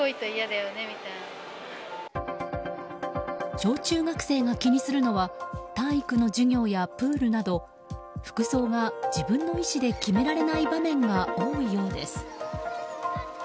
小中学生が気にするのは体育の授業やプールなど服装が自分の意思で決められない場面が多いようです。